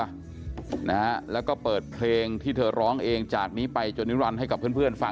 จะมีแต่แถวหน้าที่เป็นช่างผ้าผู้ชายที่ยืนอยู่